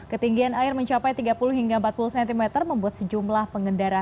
ketinggian air mencapai tiga puluh hingga empat puluh cm membuat sejumlah pengendara